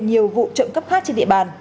nhiều vụ trộm cắp khác trên địa bàn